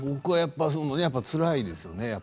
僕はやっぱりつらいですよね。